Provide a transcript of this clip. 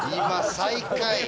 今最下位。